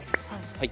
はい。